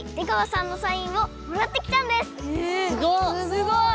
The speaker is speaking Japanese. ・すごい！